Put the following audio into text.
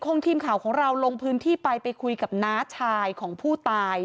ทีมข่าวของเราลงพื้นที่ไปไปคุยกับน้าชายของผู้ตาย